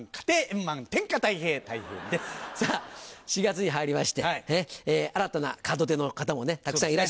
さぁ４月に入りまして新たな門出の方もたくさんいらっしゃいます。